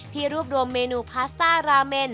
รวบรวมเมนูพาสต้าราเมน